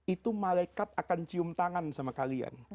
itu malaikat akan cium tangan sama kalian